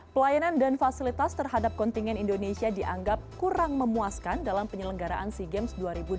pelayanan dan fasilitas terhadap kontingen indonesia dianggap kurang memuaskan dalam penyelenggaraan sea games dua ribu dua puluh